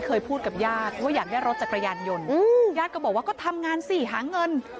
เคยพูดกับญาติว่าอยากได้รถจักรยานยนต์ญาติก็บอกว่าก็ทำงานสิหาเงิน